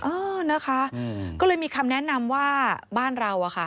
เออนะคะก็เลยมีคำแนะนำว่าบ้านเราอะค่ะ